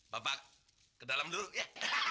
bapak kedalam dulu ya